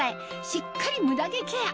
しっかりムダ毛ケア